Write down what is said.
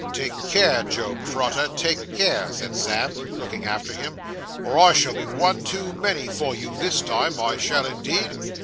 'Take care, Job Trotter, take care,' said Sam, looking after him, 'or I shall be one too many for you this time. I shall, indeed.